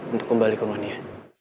untuk kembali ke romania